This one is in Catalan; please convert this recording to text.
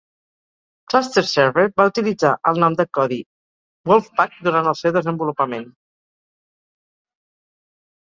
Cluster Server va utilitzar el nom de codi "Wolfpack" durant el seu desenvolupament.